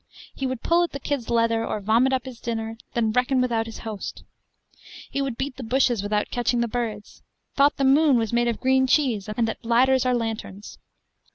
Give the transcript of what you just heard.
He would pull at the kid's leather, or vomit up his dinner, then reckon without his host. He would beat the bushes without catching the birds, thought the moon was made of green cheese, and that bladders are lanterns.